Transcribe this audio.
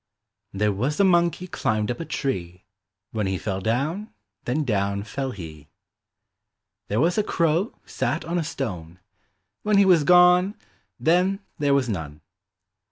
There was a monkey climbed up a tree, When he fell down, then down fell he. There was a crow sat on a stone. When he was gone, then there was none.